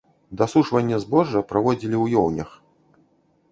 Дасушванне збожжа праводзілі і ў ёўнях.